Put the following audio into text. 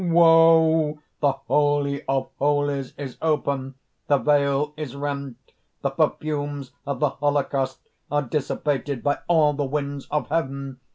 Woe! the Holy of Holies is open, the veil is rent, the perfumes of the holocaust are dissipated by all the winds of heaven!